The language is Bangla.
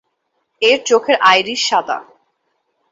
এর চোখের আইরিশ সাদা।